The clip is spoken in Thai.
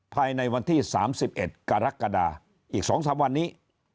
ภายในวันที่๓๑กรกฎาอีก๒๓วันนี้